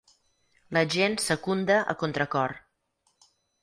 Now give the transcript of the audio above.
La gent secunda a contracor.